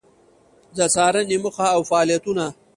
د څارنې موخه او فعالیتونه: